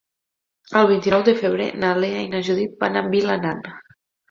El vint-i-nou de febrer na Lea i na Judit van a Vilanant.